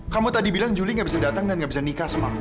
kamu tadi bilang juli gak bisa datang dan gak bisa nikah sama aku